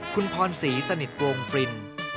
คุณพรศรีสนิทวงฟริน